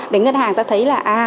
để ngân hàng ta thấy là à